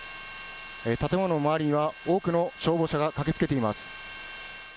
建物の周りには多くの消防車が駆けつけています。